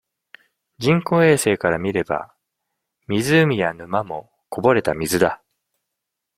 人工衛星から見れば、湖や沼も、こぼれた水だ。